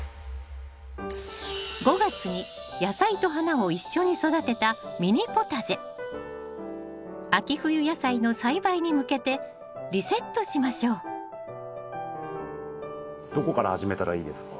５月に野菜と花を一緒に育てた秋冬野菜の栽培に向けてリセットしましょうどこから始めたらいいですか？